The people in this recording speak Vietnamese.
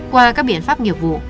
qua các biện pháp nghiệp vụ